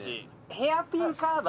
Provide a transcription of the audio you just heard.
ヘアピンカーブ